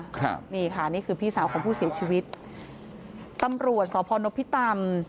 ครับนี่ค่ะนี่คือพี่สาวของผู้เสียชีวิตตำรวจสพนพิตำ